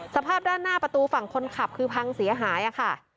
สภาพด้านหน้าประตูฝั่งคนขับคือพังเสียหายค่ะ